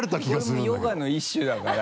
これもヨガの一種だから。